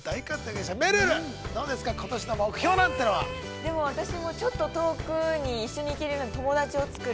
でも、私もちょっと遠くに一緒に行けるような友達を作る。